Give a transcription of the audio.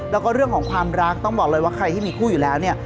แล้วก็เรื่องของความรักต้องบอกเลยว่าใครที่มีคู่อยู่แล้วเนี่ย